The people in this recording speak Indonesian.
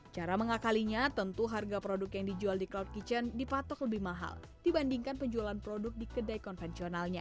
cara mengakalinya tentu harga produk yang dijual di cloud kitchen dipatok lebih mahal dibandingkan penjualan produk di kedai konvensionalnya